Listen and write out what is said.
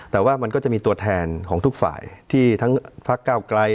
แต่ว่ามันก็จะมีตัวแทนของทุกฝ่ายที่ทั้งพักเก้าไกล